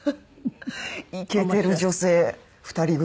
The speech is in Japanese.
イケてる女性２人組。